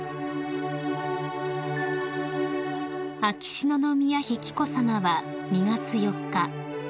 ［秋篠宮妃紀子さまは２月４日